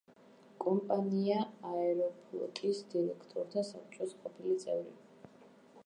კომპანია „აეროფლოტის“ დირექტორთა საბჭოს ყოფილი წევრი.